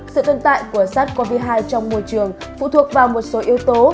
sự tồn tại của sars cov hai trong môi trường phụ thuộc vào một số yếu tố